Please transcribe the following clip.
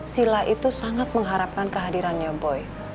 sila itu sangat mengharapkan kehadirannya boy